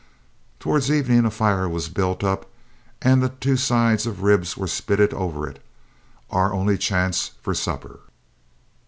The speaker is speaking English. Towards evening a fire was built up and the two sides of ribs were spitted over it, our only chance for supper.